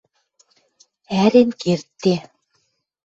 Ӓрен кердде.